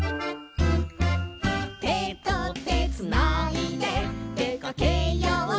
「てとてつないででかけよう」